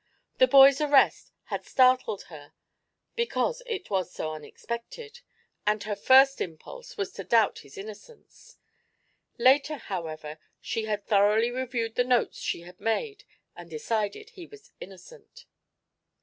The boy's arrest had startled her because it was so unexpected, and her first impulse was to doubt his innocence. Later, however, she had thoroughly reviewed the notes she had made and decided he was innocent.